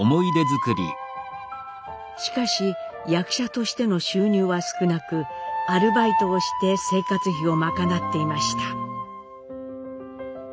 しかし役者としての収入は少なくアルバイトをして生活費を賄っていました。